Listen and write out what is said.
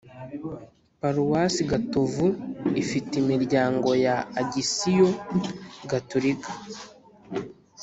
paruwasi gatovu ifite imiryango ya agisiyo gaturika